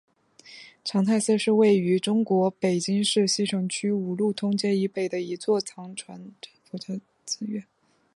长泰寺是位于中国北京市西城区五路通街以北的一座藏传佛教格鲁派寺院。